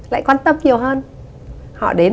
lại quan tâm nhiều hơn